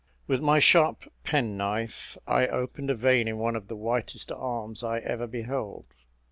With my sharp penknife I opened a vein in one of the whitest arms I ever beheld.